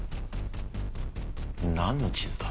何の地図だ？